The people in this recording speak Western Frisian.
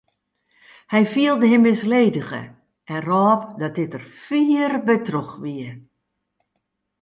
Hy fielde him misledige en rôp dat dit der fier by troch wie.